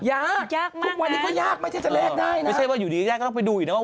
ยากจริงว่าทุกวันนี้ก็ยากไม่ใช่จะแลกได้นะไม่ใช่ว่าอยู่ดีแล้วแสดงก็ต้องไปดูเองนะว่าว่า